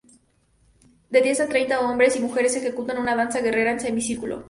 De diez a treinta hombres y mujeres ejecutan una danza guerrera en semi-círculo.